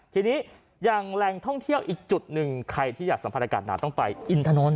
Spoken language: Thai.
ทีนี้อย่างแหล่งท่องเที่ยวอีกจุดหนึ่งใครที่อยากสัมผัสอากาศหนาวต้องไปอินถนน